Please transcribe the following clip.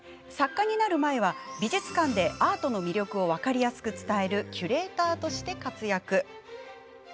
作家になる前は美術館でアートの魅力を分かりやすく伝えるキュレーターとして活躍。